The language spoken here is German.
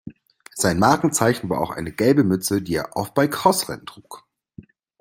Sein Markenzeichen war auch eine gelbe Mütze, die er oft bei Cross-Rennen trug.